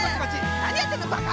何やってんのバカ！